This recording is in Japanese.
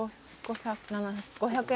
５００円